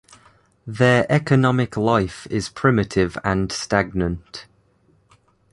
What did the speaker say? Their economic life is primitive and stagnant.